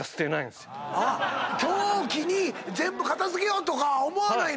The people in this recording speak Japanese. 今日を機に全部片付けようとか思わないのか。